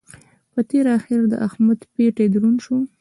په تېره اخېر د احمد پېټی دروند شو.